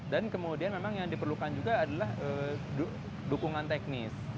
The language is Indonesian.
dan kemudian memang yang diperlukan juga adalah dukungan teknis